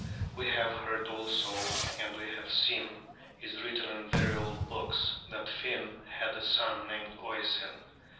We have heard also, and we have seen it written in very old books, that Finn had a son named Oisin.